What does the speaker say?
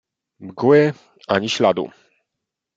"Mgły ani śladu."